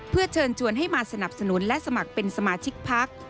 เพื่อเชิญชวนให้มาสนับสนุนและสมัครเป็นสมาชิกพัก